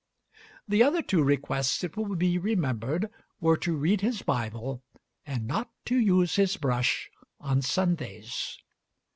The other two requests, it will be remembered, were to read his Bible, and not to use his brush on Sundays.